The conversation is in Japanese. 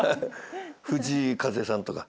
藤井風さんとか。